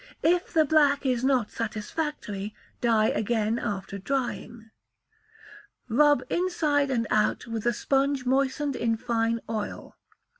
If the black is not satisfactory, dye again after drying. Rub inside and out with a sponge moistened in fine oil.